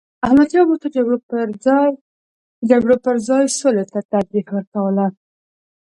احمدشاه بابا د جګړو پر ځای سولي ته ترجیح ورکوله.